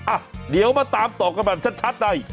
อ่ะเดี๋ยวมาตามต่อกันแบบชัดใน